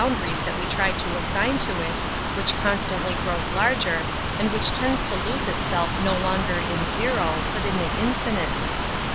daries that we try to assign to it, which constantly grows larger, and which tends to lose itself no longer in zero, but in the infinite.